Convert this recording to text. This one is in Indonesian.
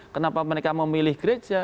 kenapa mereka memilih gereja